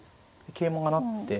桂馬が成って。